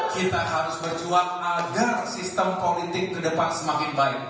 kita harus berjuang agar sistem politik ke depan semakin baik